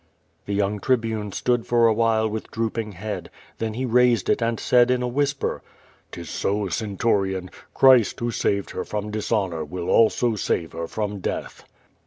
The young Tribune stood for a while with drooping head; then lie raised it, and said in a whisper: *• Tis so, Centurion. Christ, who saved her from dis honor, will also save her from death."